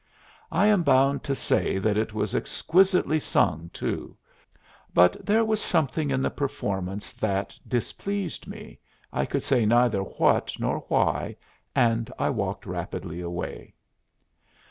I am bound to say that it was exquisitely sung, too, but there was something in the performance that displeased me, I could say neither what nor why, and I walked rapidly away.